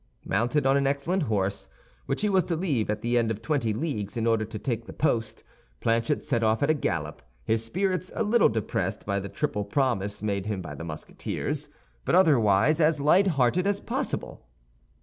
Mounted on an excellent horse, which he was to leave at the end of twenty leagues in order to take the post, Planchet set off at a gallop, his spirits a little depressed by the triple promise made him by the Musketeers, but otherwise as light hearted as possible.